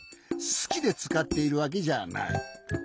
すきでつかっているわけじゃない。